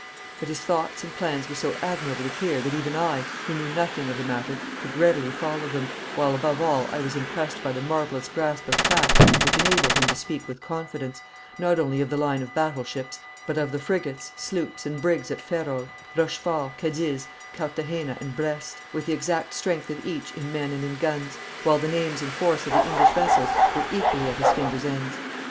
But his thoughts and plans were so admirably clear that even I, who knew nothing of the matter, could readily follow them, while above all I was impressed by the marvellous grasp of fact which enabled him to speak with confidence, not only of the line of battle ships, but of the frigates, sloops, and brigs at Ferrol, Rochefort, Cadiz, Carthagena, and Brest, with the exact strength of each in men and in guns; while the names and force of the English vessels were equally at his fingers' ends.